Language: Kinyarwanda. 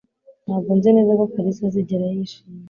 Ntabwo nzi neza ko Kalisa azigera yishima